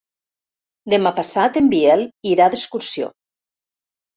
Demà passat en Biel irà d'excursió.